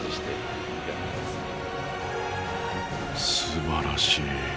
すばらしい。